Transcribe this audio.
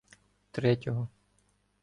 Третього